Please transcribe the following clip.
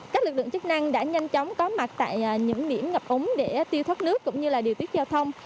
các lực lượng chức năng đã nhanh chóng có mặt tại những điểm ngập úng để tiêu thoát nước cũng như điều tiết giao thông